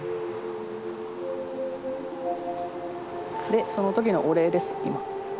でその時のお礼です今。